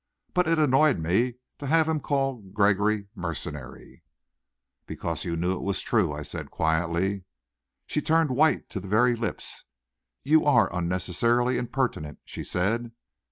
But it annoyed me to have him call Gregory mercenary " "Because you knew it was true," I said quietly. She turned white to the very lips. "You are unnecessarily impertinent," she said.